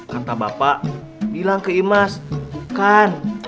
kata bapak bilang ke imas kan